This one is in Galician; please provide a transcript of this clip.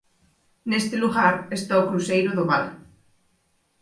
Neste lugar está o cruceiro do Val.